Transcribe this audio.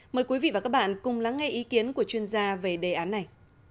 mời quý vị và các bạn cùng lắng nghe ý kiến của chuyên gia về đề án này